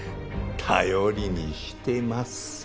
頼りにしてまっせ。